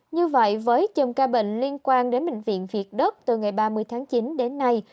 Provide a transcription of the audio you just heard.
như vậy với chùm ca bệnh liên quan đến bệnh viện việt đức từ ngày ba mươi tháng chín đến nay